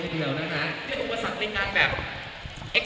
สวัสดีครับสวัสดีครับ